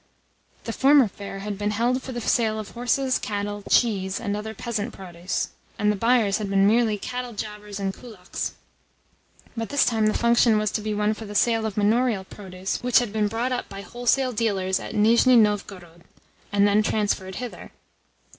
The former fair had been held for the sale of horses, cattle, cheese, and other peasant produce, and the buyers had been merely cattle jobbers and kulaks; but this time the function was to be one for the sale of manorial produce which had been bought up by wholesale dealers at Nizhni Novgorod, and then transferred hither.